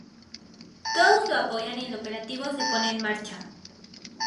Todos lo apoyan y el operativo se pone en marcha.